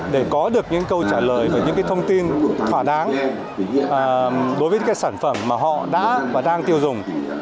để có được những câu trả lời và những thông tin thỏa đáng đối với cái sản phẩm mà họ đã và đang tiêu dùng